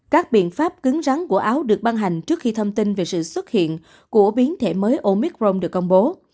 các biện pháp cứng rắn của áo được ban hành trước khi thông tin về sự xuất hiện của biến thể mới omicron được công bố